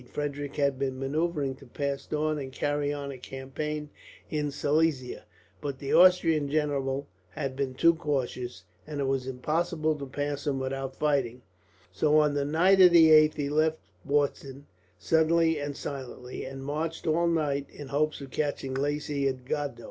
Frederick had been manoeuvring to pass Daun and carry on a campaign in Silesia; but the Austrian general had been too cautious, and it was impossible to pass him without fighting; so on the night of the 8th he left Bautzen suddenly and silently, and marched all night, in hopes of catching Lacy at Godau.